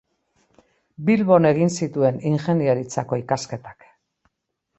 Bilbon egin zituen ingeniaritzako ikasketak.